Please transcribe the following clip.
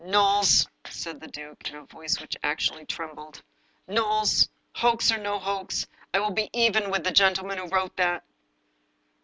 " Knowles," said the duke, in a voice which actually trembled, " Knowles, hoax or no hoax, I will be even with the gentleman who wrote that."